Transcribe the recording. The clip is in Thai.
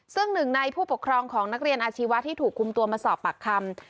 ซึ่งหนึ่งในผู้ปกครองของนักเรียนอาชีวะที่ถูกคุมตัวมาสอบปากคำ